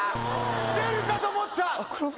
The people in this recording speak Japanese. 出るかと思った。